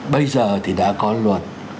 bây giờ thì đã có luật